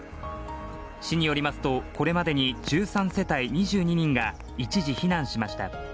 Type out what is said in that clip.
市によりますと、これまでに１３世帯２２人が一時避難しました。